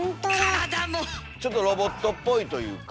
ちょっとロボットっぽいというか。